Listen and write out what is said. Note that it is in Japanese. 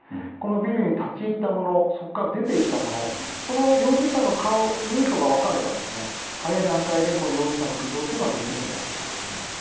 ビルに立ち入った者出て行った者その容疑者の顔、人相が分かれば早い段階で容疑者の浮上はできるんじゃないでしょうかね。